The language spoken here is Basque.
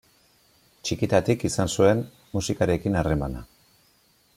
Txikitatik izan zuen musikarekin harremana.